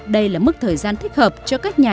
đây là mức thời gian thích hợp cho các nhà